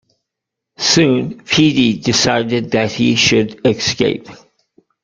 Soon, Petey decided that he should escape.